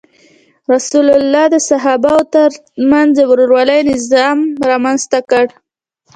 رسول الله د صحابه وو تر منځ د ورورولۍ نظام رامنځته کړ.